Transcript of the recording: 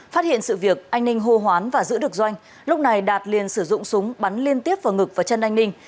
phát hiện sự việc anh ninh hô hoán và giữ được doanh lúc này đạt liền sử dụng súng bắn liên tiếp vào ngực và chân anh ninh